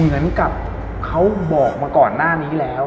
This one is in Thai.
เหมือนกับเขาบอกมาก่อนหน้านี้แล้ว